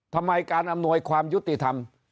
ทำไมการอำนวยความยุติธรรม